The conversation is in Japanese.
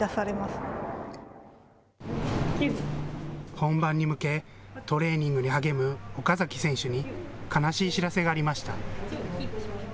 本番に向け、トレーニングに励む岡崎選手に、悲しい知らせがありました。